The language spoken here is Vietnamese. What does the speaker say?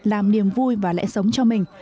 làm niềm vui và lẽ sống cho mình